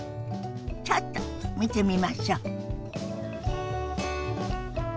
ちょっと見てみましょ。